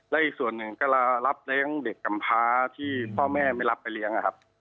และอีกส่วนหนึ่งก็รับเลี้ยงเด็กกำพาที่พ่อแม่ไม่รับไปเลี้ยงนะครับ